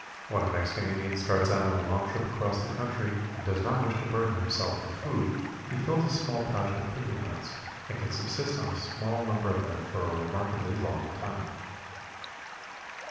When a Mexican Indian starts out on a long trip across the country and does not wish to burden himself with food he fills a small pouch with piñon nuts and can subsist on a small number of them for a remarkably long time.